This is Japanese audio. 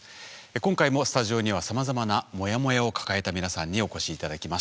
今回もスタジオにはさまざまなモヤモヤを抱えた皆さんにお越し頂きました。